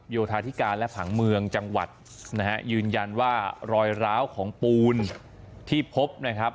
โยธาธิการและผังเมืองจังหวัดนะฮะยืนยันว่ารอยร้าวของปูนที่พบนะครับ